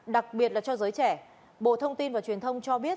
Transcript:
đặc biệt là cho giới trẻ bộ thông tin và truyền thông cho biết